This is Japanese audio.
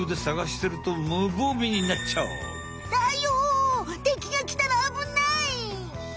てきがきたらあぶない！